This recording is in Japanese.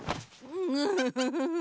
ヌフフフ。